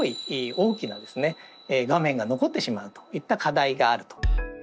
大きな画面が残ってしまうといった課題があると。